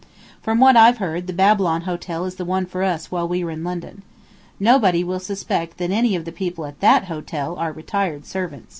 From what I've heard, the Babylon Hotel is the one for us while we are in London. Nobody will suspect that any of the people at that hotel are retired servants."